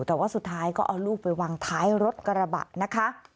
แต่ว่าสุดท้ายก็เอาลูกไปวางท้ายรถกระบะนะคะ